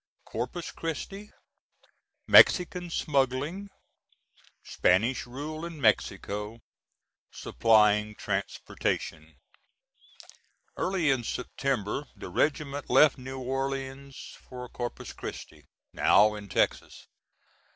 CORPUS CHRISTI MEXICAN SMUGGLING SPANISH RULE IN MEXICO SUPPLYING TRANSPORTATION. Early in September the regiment left New Orleans for Corpus Christi, now in Texas.